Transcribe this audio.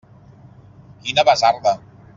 Quina basarda!